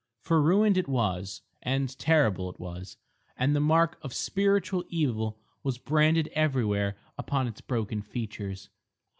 For ruined it was, and terrible it was, and the mark of spiritual evil was branded everywhere upon its broken features.